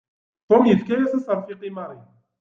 Tom yefka-yas aseṛfiq i Mary.